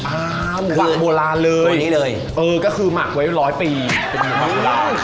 อ่าหมูหมักโบราณเลยเออก็คือหมักไว้ร้อยปีเป็นหมูหมักโบราณ